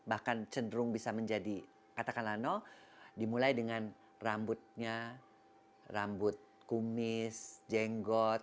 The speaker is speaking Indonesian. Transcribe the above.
akan cenderung bisa menjadi katakan lano dimulai dengan rambutnya rambut kumis jenggot